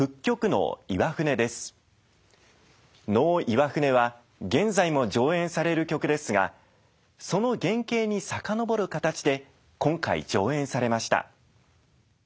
能「岩船」は現在も上演される曲ですがその原形に遡る形で今回上演されました。